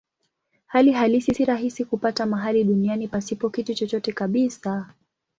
Hali halisi si rahisi kupata mahali duniani pasipo kitu chochote kabisa.